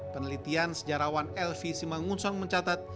penelitian sejarawan elvi simangunsong mencatat